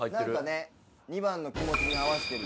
２番の気持ちに合わせてる。